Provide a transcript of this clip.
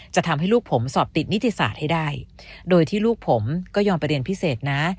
จะทำให้ลูกผมสอบติดนิติศาสตร์ให้ได้โดยที่ลูกผมก็ยอมไปเรียนพิเศษนะ